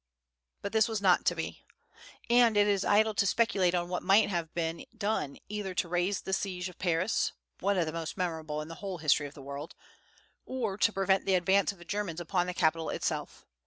But this was not to be, and it is idle to speculate on what might have been done either to raise the siege of Paris one of the most memorable in the whole history of the world or to prevent the advance of the Germans upon the capital itself.